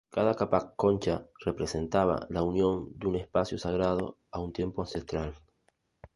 Cada "Capac cocha" representaba la unión de un espacio sagrado a un tiempo ancestral.